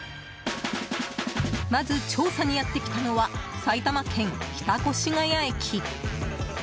まず、調査にやってきたのは埼玉県北越谷駅。